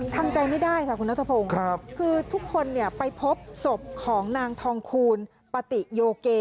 ทำใจไม่ได้ค่ะคุณนัทพงศ์คือทุกคนไปพบศพของนางทองคูณปฏิโยเก